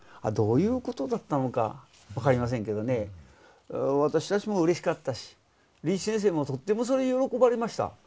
どういうことだったのか分かりませんけどね私たちもうれしかったしリーチ先生もとってもそれ喜ばれました。